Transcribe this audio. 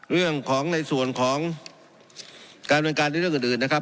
เรื่องของในส่วนของการบรรยากาศในเรื่องอื่นนะครับ